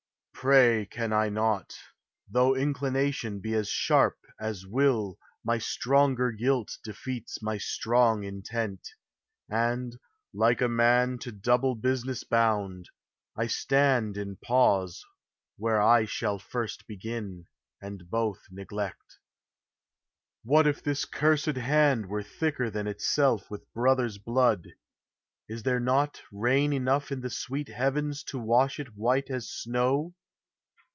Pray can I not, Though inclination be as sharp as will : My stronger guilt defeats my strong intent; And, like a man to double business bound, I stand in pause where I shall first begin, And both neglect. What if this cursed hand Were thicker than itself with brother's blood, Is there not rain enough in the sweet heavens To wash it white as snow?